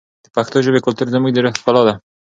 د پښتو ژبې کلتور زموږ د روح ښکلا ده.